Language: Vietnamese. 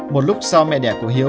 một lúc sau mẹ đẻ của hiếu